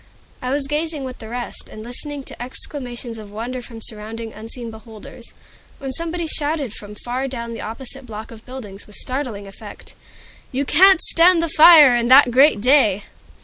I was gazing with the rest, and listening to exclamations of wonder from surrounding unseen beholders, when somebody shouted from far down the opposite block of buildings, with startling effect, "You can't stand the fire In that great day!"